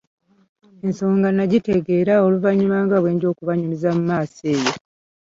Ensonga nagitegeera oluvannyuma nga bwe nja okubanyumiza mu maaso eyo.